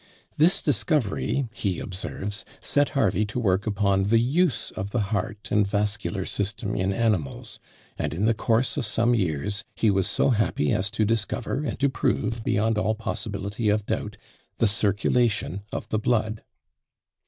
"This discovery," he observes, "set Harvey to work upon the use of the heart and vascular system in animals; and in the course of some years, he was so happy as to discover, and to prove beyond all possibility of doubt, the circulation of the blood."